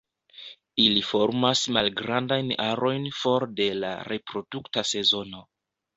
Ili formas malgrandajn arojn for de la reprodukta sezono.